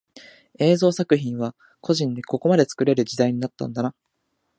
映像作品は個人でここまで作れる時代になったんだな